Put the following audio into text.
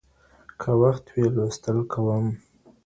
که وخت وي، لوستل کوم.